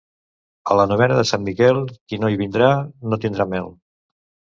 A la novena de Sant Miquel, qui no hi vindrà, no tindrà mel.